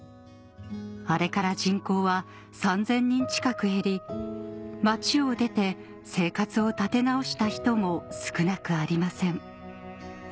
あれから人口は３０００人近く減り町を出て生活を立て直した人も少なくありません